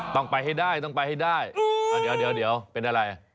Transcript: ต้องไปให้ได้ต้องไปให้ได้อืมอ่าเดี๋ยวเดี๋ยวเดี๋ยวเป็นอะไร